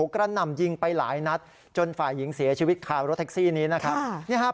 กระหน่ำยิงไปหลายนัดจนฝ่ายหญิงเสียชีวิตคารถแท็กซี่นี้นะครับ